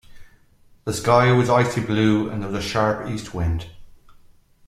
The sky was an icy blue, and there was a sharp East wind